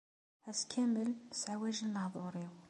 Ass kamel, sseɛwajen lehdur-iw.